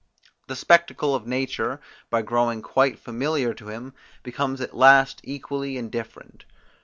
The spectacle of nature, by growing quite familiar to him, becomes at last equally indifferent.